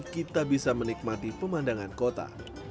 kita bisa menikmati pemandangan kota